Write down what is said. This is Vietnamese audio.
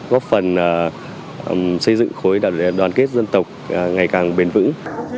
góp phần xây dựng khối đại đoàn kết dân tộc ngày càng bền vững